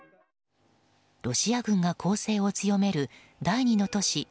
ロシア軍が攻勢を強める第２の都市